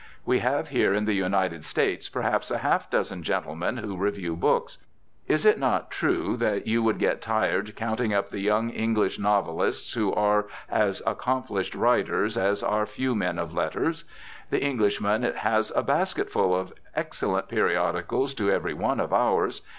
We have here in the United States perhaps a half dozen gentlemen who review books. Is it not true that you would get tired counting up the young English novelists who are as accomplished writers as our few men of letters? The Englishman has a basketful of excellent periodicals to every one of ours.